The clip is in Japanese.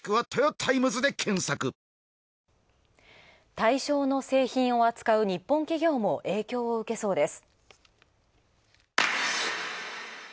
対象の製品を扱う日本の企業も影響を受けそうです。